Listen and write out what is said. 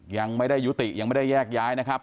ยังไม่ได้ยุติยังไม่ได้แยกย้ายนะครับ